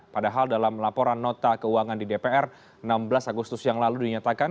padahal dalam laporan nota keuangan di dpr enam belas agustus yang lalu dinyatakan